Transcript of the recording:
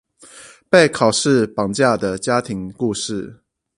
被考試綁架的家庭故事